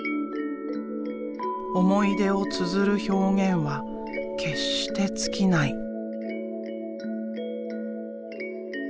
思い出をつづる表現は決して尽きない。